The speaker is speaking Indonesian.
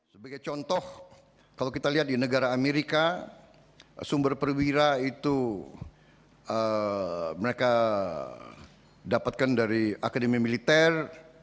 sebagai contoh kalau kita lihat di negara amerika sumber perwira itu mereka dapatkan dari akademi militer